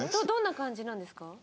どんな感じなんですか？